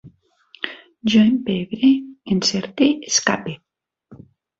Jo empebre, encerte, escape